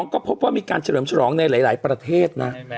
ก็พบว่ามีการเฉลิมฉลองในหลายประเทศนะ